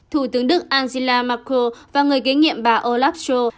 thủ tướng đức angela merkel và người kế nhiệm bà olaf scholz